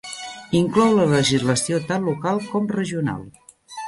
Inclou la legislació tant local com regional.